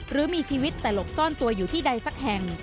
หรือมีชีวิตแต่หลบซ่อนตัวอยู่ที่ใดสักแห่ง